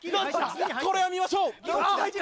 これは見ましょう！